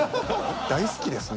大好きですね。